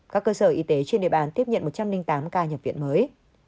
các cơ sở y tế trên địa bàn tiếp nhận một trăm linh tám ca nhập viện mới